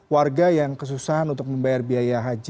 warga yang kesusahan untuk membayar biaya haji